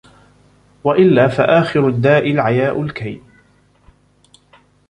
وَإِلَّا فَآخِرُ الدَّاءِ الْعَيَاءِ الْكَيُّ